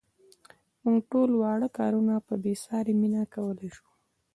موږ ټول واړه کارونه په بې ساري مینه کولای شو.